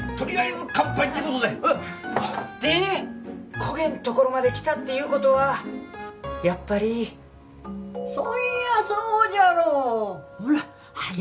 こげんところまで来たっていうことはやっぱりそぃやそうじゃろほらはよ